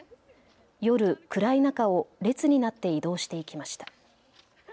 夜、暗い中を列になって移動していきました。